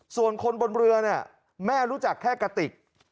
ส่วนคนบนเรือเนี่ยแม่รู้จักแค่กะติก